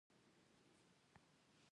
د پانګې تر ټولو پخوانی شکل سوداګریز شکل دی.